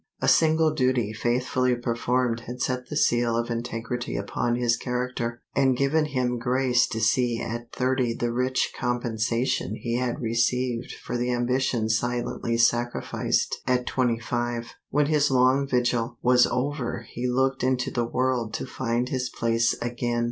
A single duty faithfully performed had set the seal of integrity upon his character, and given him grace to see at thirty the rich compensation he had received for the ambitions silently sacrificed at twenty five. When his long vigil was over he looked into the world to find his place again.